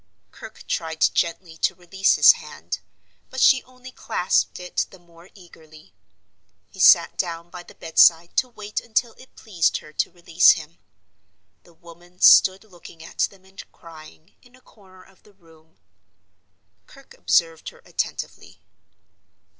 Kirke tried gently to release his hand; but she only clasped it the more eagerly. He sat down by the bedside to wait until it pleased her to release him. The woman stood looking at them and crying, in a corner of the room. Kirke observed her attentively.